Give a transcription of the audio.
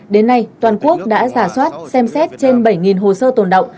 đến nay toàn quốc đã giả soát xem xét trên bảy hồ sơ tồn động